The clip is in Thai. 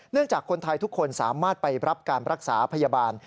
จากคนไทยทุกคนสามารถไปรับการรักษาพยาบาล